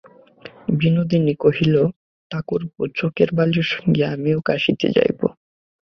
বিনোদিনী কহিল, ঠাকুরপো, চোখের বালির সঙ্গে আমিও কাশীতে যাইব।